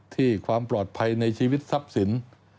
ที่ความปลอดภัยในชีวิตทรัพย์สิน